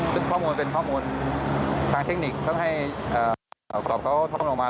ซึ่งข้อมูลเป็นข้อมูลทางเทคนิคต้องให้สอบเขาท้องลงมา